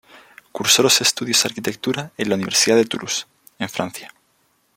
Cursó los estudios de Arquitectura en la Universidad de Toulouse, en Francia.